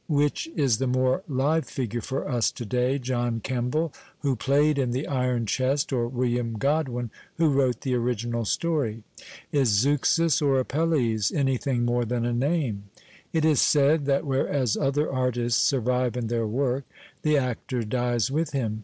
Which is the more live figure for us to day, John Kemble, who played in the Iron Chest, or William Godwin, who wrote the original story ? Is Zeuxis or Apelles anything more than a name ? It is said that whereas other artists survive in their work, the actor's dies with him.